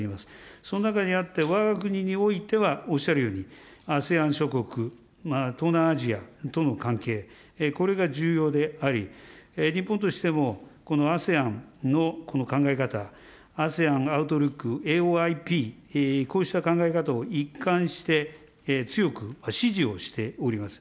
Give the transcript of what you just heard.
その中にあって、わが国においてはおっしゃるように、ＡＳＥＡＮ諸国、東南アジアとの関係、これが重要であり、日本としてもこのＡＳＥＡＮのこの考え方、ＡＳＥＡＮがアウトルック、ＡＯＩＰ、こうした考え方を一貫して強く支持をしております。